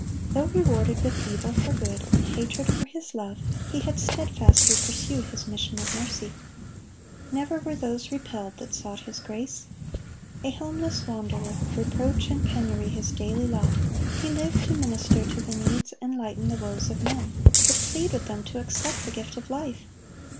(18) Though rewarded with evil for good, and hatred for His love,(19) He had steadfastly pursued His mission of mercy. Never were those repelled that sought His grace. A homeless wanderer, reproach and penury His daily lot, He lived to minister to the needs and lighten the woes of men, to plead with them to accept the gift of life.